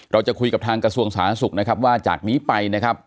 เราจะคุยกับทางกระทรวงสาธารณสุขนะครับว่าจากนี้ไปนะครับ